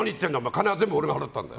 金は全部俺が払ったんだ